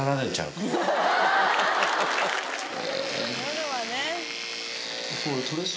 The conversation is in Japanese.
夜はね。